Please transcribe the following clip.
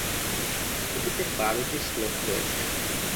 এটিতে বারোটি শ্লোক রয়েছে।